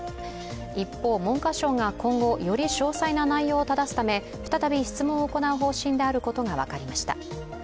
一方、文科省が今後より詳細な内容をただすため再び質問を行う方針であることが分かりました。